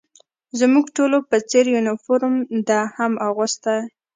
زموږ ټولو په څېر یونیفورم ده هم اغوسته.